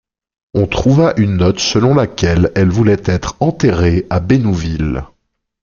On trouva une note selon laquelle elle voulait être enterrée à Bénouville.